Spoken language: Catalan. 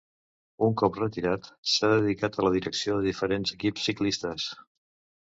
Un cop retirat, s'ha dedicat a la direcció de diferents equips ciclistes.